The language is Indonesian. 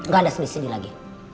ga ada sedih sedih lagi